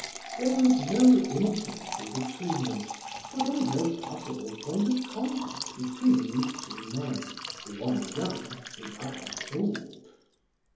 There was no intimacy between them, for there was no possible point of contact between these two men, the one young, the other old.